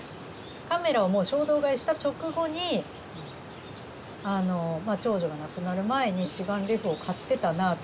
カメラをもう衝動買いした直後にあのまあ長女が亡くなる前に一眼レフを買ってたなあと。